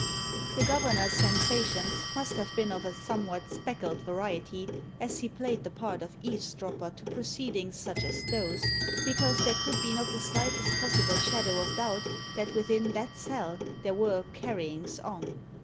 The governor's sensa tions must have been of a somewhat speckled variety as he played the part of eavesdropper to proceedings such as those, because there could be not the slightest possible shadow of doubt that within that cell there were "carryings on."